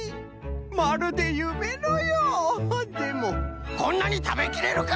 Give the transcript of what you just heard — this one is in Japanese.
まるでゆめのようでもこんなにたべきれるかしら！？